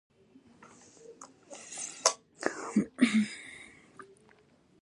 خو هڅې مې بې ګټې پاتې شوې.